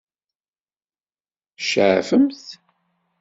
Tceɛfemt?